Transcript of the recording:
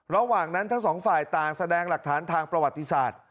ระหว่างนั้นทั้งสองฝ่ายต่างแสดงหลักฐานทางประวัติศาสตร์